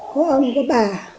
con ông con bà